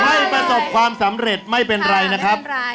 ประสบความสำเร็จไม่เป็นไรนะครับ